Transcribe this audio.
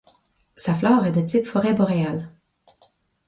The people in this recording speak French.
Sa flore est de type forêt boréale.